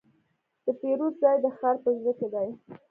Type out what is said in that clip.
د پیرود ځای د ښار په زړه کې دی.